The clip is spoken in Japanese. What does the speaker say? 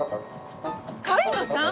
狩野さん！？